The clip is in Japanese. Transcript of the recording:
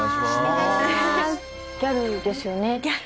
ギャルですよね。